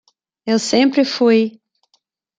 Eu sempre fui.